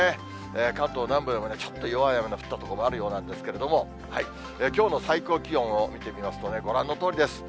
関東南部はちょっと弱い雨の降った所もあるようなんですけれども、きょうの最高気温を見てみますとね、ご覧のとおりです。